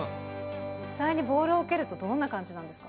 実際にボールを受けるとどんな感じなんですか？